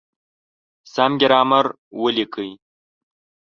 سم ګرامر وليکئ!.